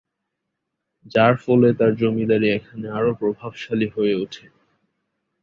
যার ফলে তার জমিদারী এখানে আরো প্রভাবশালী হয়ে উঠে।